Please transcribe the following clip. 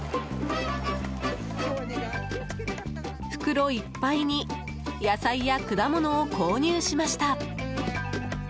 袋いっぱいに野菜や果物を購入しました。